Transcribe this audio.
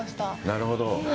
なるほど。